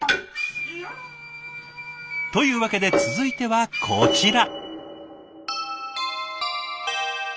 というわけで続いてはこちら。